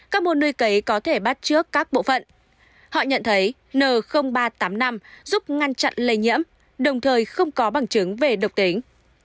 các bạn nhận thấy n ba trăm tám mươi năm giúp ngăn chặn lây nhiễm đồng thời không có bằng chứng về độc tính